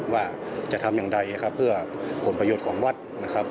ว่าจะทำอย่างไรนะครับเพื่อผลประโยชน์ของวัดนะครับ